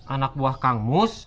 anak buah kang mus